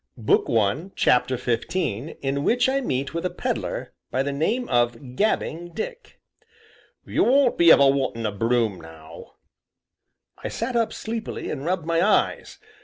CHAPTER XV IN WHICH I MEET WITH A PEDLER BY THE NAME OF "GABBING" DICK "You won't be wantin' ever a broom, now?" I sat up, sleepily, and rubbed my eyes.